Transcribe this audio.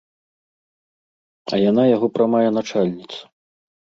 А яна яго прамая начальніца.